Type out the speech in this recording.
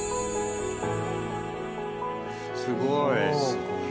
すごい。